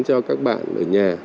cho các bạn ở nhà